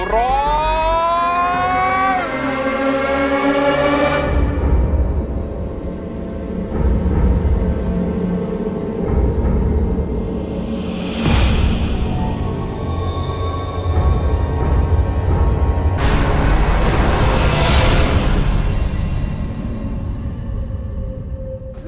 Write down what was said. ร้อง